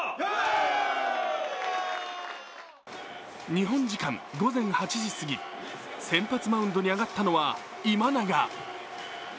日本時間午前８時過ぎ、先発マウンドに上がったのは今永。